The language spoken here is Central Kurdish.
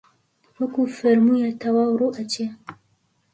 وەکوو فەرموویە تەواو ڕوو ئەچێ